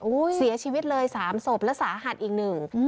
เสียชีวิตเลยสามศพและสาหัสอีกหนึ่ง